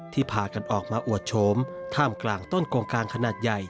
พากันออกมาอวดโฉมท่ามกลางต้นโกงกลางขนาดใหญ่